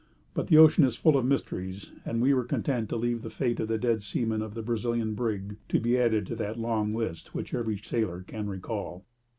But the ocean is full of mysteries, and we were content to leave the fate of the dead seaman of the Brazilian brig to be added to that long list which every sailor can recall.